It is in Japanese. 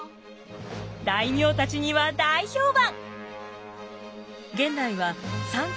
大名たちには大評判。